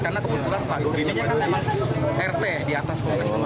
karena kebetulan pak dodi ini kan emang rt di atas